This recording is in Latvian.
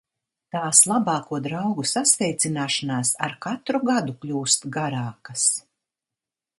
Tās labāko draugu sasveicināšanās ar katru gadu kļūst garākas!